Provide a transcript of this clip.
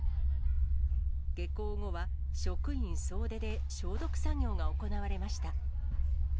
下校後は、職員総出で消毒作業が行われました。